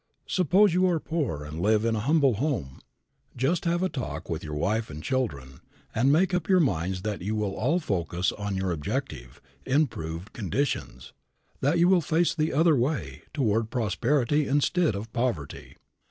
Suppose you are poor and live in a humble home, just have a talk with your wife and children, and make up your minds that you will all focus on your objective improved conditions, that you will face the other way, toward prosperity instead of poverty.